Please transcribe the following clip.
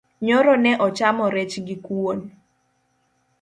Nyoro ne achamo rech gi kuwon